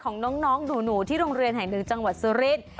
ของน้องหนูที่โรงเรียนแห่งหนึ่งจังหวัดสุรินทร์